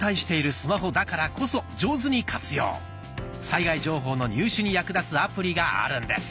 災害情報の入手に役立つアプリがあるんです。